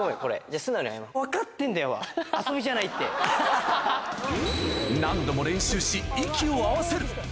分かってんだよ、遊びじゃな何度も練習し、息を合わせる。